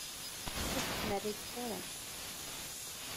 Ur tt-ttmerriget ara!